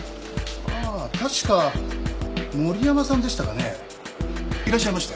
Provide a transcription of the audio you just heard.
ああ確か森山さんでしたかねいらっしゃいましたよ